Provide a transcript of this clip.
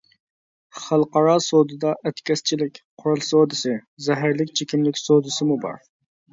خەلقئارا سودىدا ئەتكەسچىلىك، قورال سودىسى، زەھەرلىك چېكىملىك سودىسىمۇ بار.